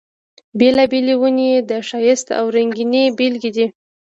بېلابېلې ونې یې د ښایست او رنګینۍ بېلګې دي.